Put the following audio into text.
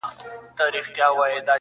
خاونده زور لرم خواږه خو د يارۍ نه غواړم,